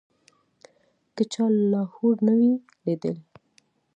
که چا لاهور نه وي لیدلی.